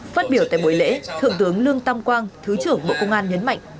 phát biểu tại buổi lễ thượng tướng lương tam quang thứ trưởng bộ công an nhấn mạnh